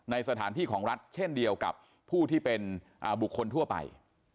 สถานที่ของรัฐเช่นเดียวกับผู้ที่เป็นบุคคลทั่วไป